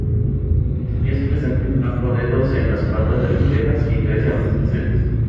Los pies presentan cuatro dedos en las patas delanteras y tres en las traseras.